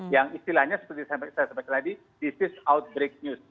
yang istilahnya seperti saya sampaikan tadi disease outbreak news